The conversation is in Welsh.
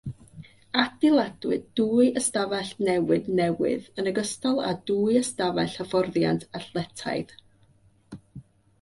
Adeiladwyd dwy ystafell newid newydd yn ogystal â dwy ystafell hyfforddiant athletaidd.